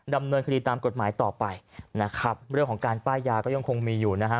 ดำเนินคดีตามกฎหมายต่อไปนะครับเรื่องของการป้ายยาก็ยังคงมีอยู่นะฮะ